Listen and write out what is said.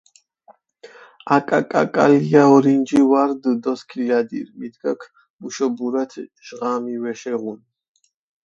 აკაკაკალია ორინჯი ვა რდჷ დოსქილადირ, მიდგაქ მუშობურათ ჟღამი ვეშეღუნ.